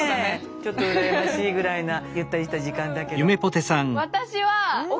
ちょっと羨ましいぐらいなゆったりした時間だけど。